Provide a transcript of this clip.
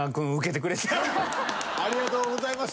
ありがとうございます。